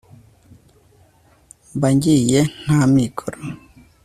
mba ngiye nta mikoro